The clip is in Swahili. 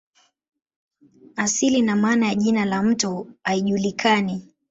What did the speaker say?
Asili na maana ya jina la mto haijulikani.